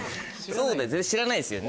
そうですよ